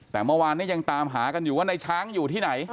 แต่เมื่อวานเนี่ยยังตามหากันอยู่ว่าในช้างอยู่ที่ไหน